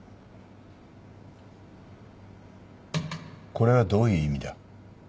これはどういう意味だ？